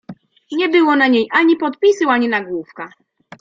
"Nie było na niej ani podpisu ani nagłówka."